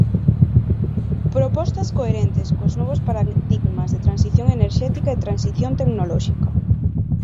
Propostas coherentes cos novos paradigmas de transición enerxética e transición tecnolóxica.